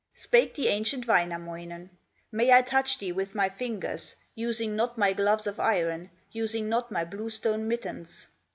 Spake the ancient Wainamoinen: "May I touch thee with my fingers, Using not my gloves of iron, Using not my blue stone mittens?"